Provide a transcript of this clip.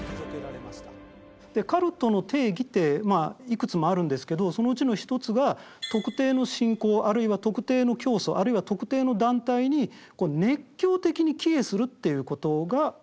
カルトの定義っていくつもあるんですけどそのうちの一つが特定の信仰あるいは特定の教祖あるいは特定の団体に熱狂的に帰依するっていうことがカルト。